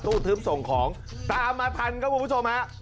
ทึบส่งของตามมาทันครับคุณผู้ชมฮะ